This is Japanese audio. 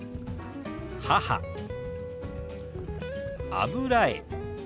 「油絵」。